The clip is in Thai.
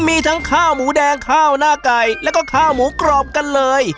มีทั้งข้าวหมูแดงข้าวหน้าไก่แล้วก็ข้าวหมูกรอบกันเลย